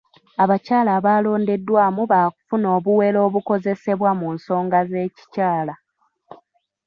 Abakyala abalondeddwamu b'akufuna obuwero obukozesebwa mu nsonga z'ekikyakala.